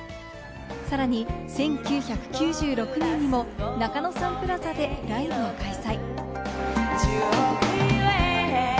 さらに１９９６年にも中野サンプラザでライブを開催。